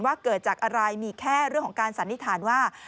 เกิดจากอะไรมีแค่เรื่องของการสันนิษฐานว่า